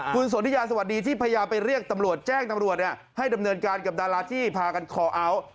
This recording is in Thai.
คุณสนทิยาสวัสดีที่พยายามไปเรียกตำรวจแจ้งตำรวจให้ดำเนินการกับดาราที่พากันคอเอาท์